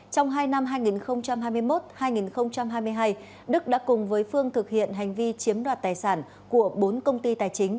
trong hai năm hai nghìn hai mươi một hai nghìn hai mươi hai đức đã cùng với phương thực hiện hành vi chiếm đoạt tài sản của bốn công ty tài chính